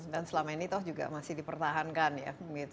dan selama ini juga masih dipertahankan ya susi